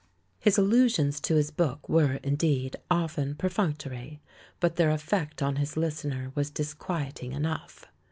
His allusions to his book were, indeed, often perfunctory; but their effect on his listener was disquieting enough.